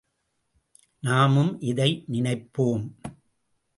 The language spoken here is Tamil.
நாமும் இதை நினைப்போம்.